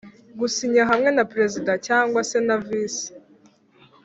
gusinya hamwe na Perezida cyangwa se na visi